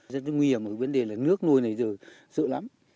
rất là nguy hiểm ở vấn đề là nước nuôi này giờ sợ lắm